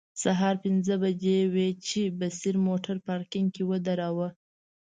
سهار پنځه بجې وې چې بصیر موټر پارکینګ کې و دراوه.